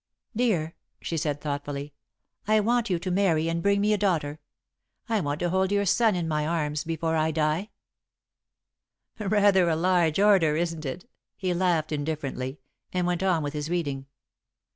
"Dear," she said, thoughtfully, "I want you to marry and bring me a daughter. I want to hold your son in my arms before I die." [Sidenote: Madame's Dream] "Rather a large order, isn't it?" He laughed indifferently, and went on with his reading.